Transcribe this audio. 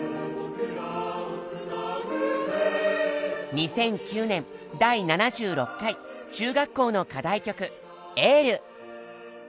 ２００９年第７６回中学校の課題曲「ＹＥＬＬ」。